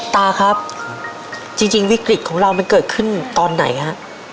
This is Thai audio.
ตาครับจริงวิกฤตของเรามันเกิดขึ้นตอนไหนฮะ